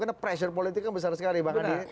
karena pressure politiknya besar sekali bang andi